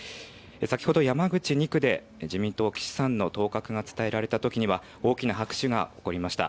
先ほど山口２区で自民党、岸さんの当確が伝えられたときには大きな拍手が起こりました。